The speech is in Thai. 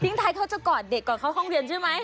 ท้ายเขาจะกอดเด็กก่อนเข้าห้องเรียนใช่ไหม